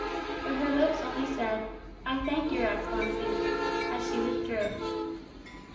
But her lips only said, "I thank your Excellency," as she withdrew. XI.